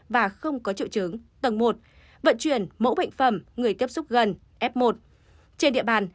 và không có triệu chứng tầng một vận chuyển mẫu bệnh phẩm người tiếp xúc gần f một trên địa bàn